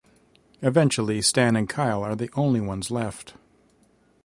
Eventually, Stan and Kyle are the only ones left.